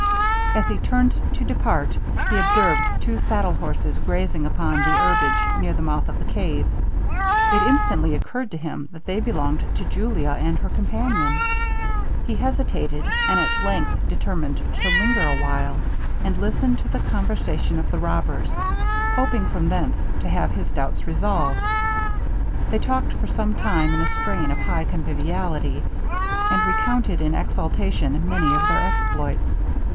As he turned to depart, he observed two saddle horses grazing upon the herbage near the mouth of the cave. It instantly occurred to him that they belonged to Julia and her companion. He hesitated, and at length determined to linger awhile, and listen to the conversation of the robbers, hoping from thence to have his doubts resolved. They talked for some time in a strain of high conviviality, and recounted in exultation many of their exploits.